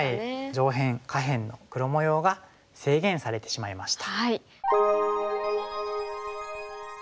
上辺下辺の黒模様が制限されてしまいました。